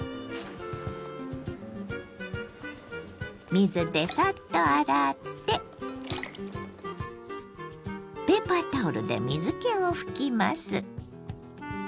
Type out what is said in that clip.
水でサッと洗ってペーパータオルで水けを拭きます。